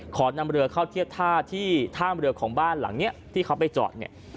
นำเรือเข้าเทียบท่าที่ท่ามเรือของบ้านหลังนี้ที่เขาไปจอดเนี่ย